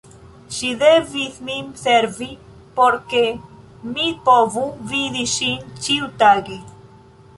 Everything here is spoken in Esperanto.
Ŝi devis min servi, por ke mi povu vidi ŝin ĉiutage.